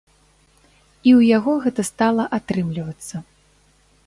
І ў яго гэта стала атрымлівацца.